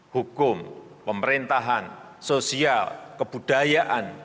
hukum pemerintahan sosial kebudayaan